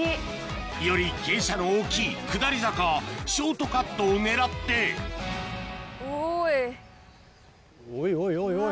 より傾斜の大きい下り坂ショートカットを狙っておいおいおいおい。